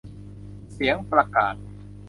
เสียงประกาศ